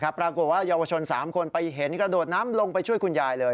ปรากฏว่าเยาวชน๓คนไปเห็นกระโดดน้ำลงไปช่วยคุณยายเลย